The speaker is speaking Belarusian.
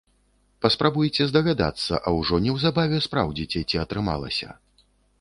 Паспрабуйце здагадацца, а ўжо неўзабаве спраўдзіце, ці атрымалася.